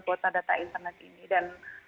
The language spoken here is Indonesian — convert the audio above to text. kuota data internet ini dan